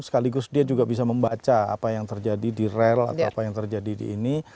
sekaligus dia juga bisa membaca apa yang terjadi di rel atau apa yang terjadi di ini